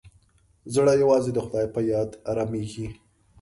زړه یوازې د خدای په یاد ارامېږي.